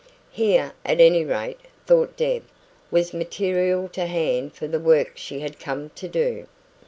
Here, at any rate, thought Deb, was material to hand for the work she had come to do.